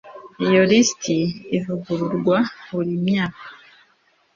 iyo lisiti ivugururwa buri myaka